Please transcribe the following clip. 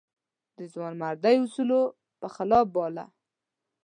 د ځوانمردۍ اصولو په خلاف باله.